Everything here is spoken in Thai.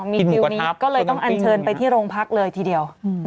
มีคิวนี้ก็เลยต้องอันเชิญไปที่โรงพักเลยทีเดียว